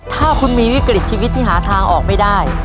ถ้าคุณมีวิกฤตชีวิตที่หาทางออกไม่ได้